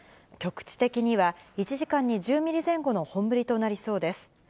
局地的には、１時間に１０ミリ前後の本降りとなりそうです。